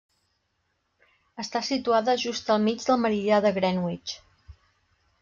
Està situada just al mig del meridià de Greenwich.